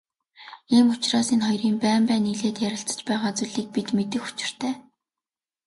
Ийм учраас энэ хоёрын байн байн нийлээд ярилцаж байгаа зүйлийг бид мэдэх учиртай.